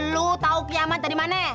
lu tahu kiamat dari mana